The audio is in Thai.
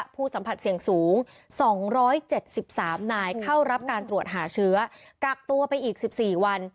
ผู้สัมผัสเสี่ยงสูงสองร้อยเจ็ดสิบสามนายเข้ารับการตรวจหาเชื้อกักตัวไปอีกสิบสี่วัน